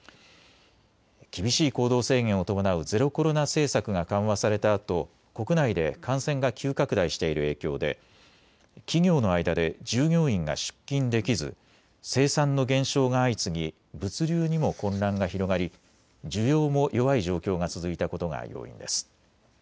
厳しい行動制限を伴うゼロコロナ政策が緩和されたあと国内で感染が急拡大している影響で企業の間で従業員が出勤できず生産の減少が相次ぎ物流にも混乱が広がり弱い状況が続いたことが要因です。